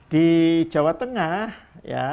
di jawa tengah ya